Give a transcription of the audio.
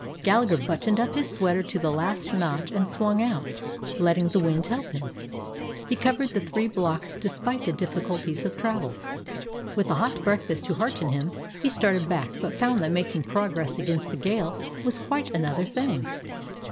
Gallagher buttoned up his sweater to the last notch, and swung out, letting the wind help him. He covered the three blocks, de spite the difficulties of travel. With a hot breakfast to hearten him he started back, but found that making progress against the gale was quite another thing.